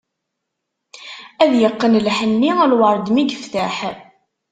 Ad yeqqen lḥenni, lwerd mi ifetteḥ.